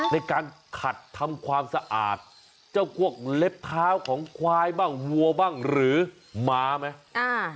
ในการขัดทำความสะอาดเจ้าพวกเล็บเท้าของควายบ้างวัวบ้างหรือหมาไหม